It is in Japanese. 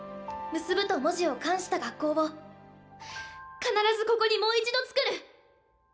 「結」と文字を冠した学校を必ずここにもう一度つくる。